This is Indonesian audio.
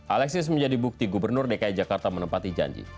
alexis menjadi bukti gubernur dki jakarta menempati janji